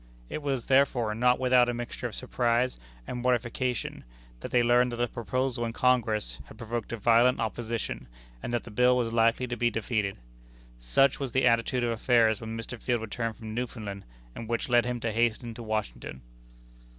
It was, therefore, not without a mixture of surprise and mortification that they learned that the proposal in Congress had provoked a violent opposition, and that the bill was likely to be defeated. Such was the attitude of affairs when Mr. Field returned from Newfoundland, and which led him to hasten to Washington.